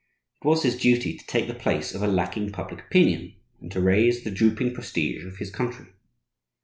It was his duty to take the place of a lacking public opinion, and to raise the drooping prestige of his country.